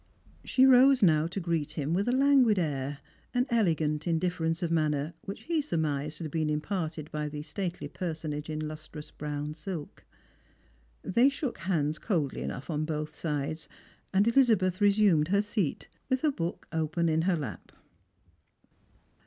She rose now to greet him with a languid air, an elegant indif erence of manner which he surmised had been im[.iHrted by the stately personage in histrous brown silk. They shook handf coldly cinough on both sides, and Elizabeth resumed her seat, with her book open in her lap.